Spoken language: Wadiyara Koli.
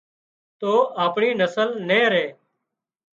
تو اپڻي نسل نين ري